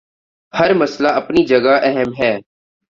ہر مسئلہ اپنی جگہ اہم ہے۔